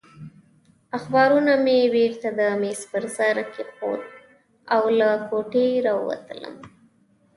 اخبارونه مې بېرته د مېز پر سر کېښودل او له کوټې راووتلم.